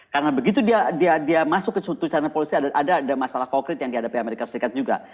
karena begitu dia masuk ke satu channel policy ada masalah konkret yang dihadapi amerika serikat juga